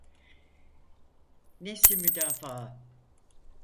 Nefsi müdafaa.